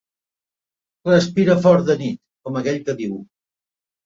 Respira fort de nit, com aquell que diu.